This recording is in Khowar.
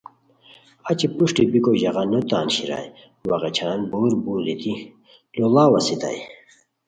اچی پر وشٹی بیکو ژاغا نو تان شیرائے وا غیچھان بُور بُور دیتی لوڑاؤ استائے